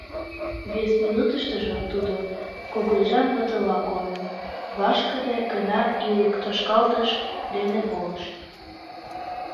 Вес минутыштыжо тудо, кугыжан ватыла койын, вашкыде гына ӱлык тошкалтыш дене волыш.